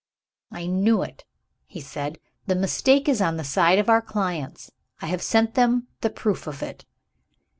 "I knew it!" he said. "The mistake is on the side of our clients; I have sent them the proof of it."